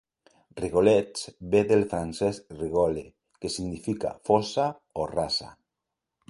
"Rigolets" ve del francès "rigole", que significa "fossa" o "rasa".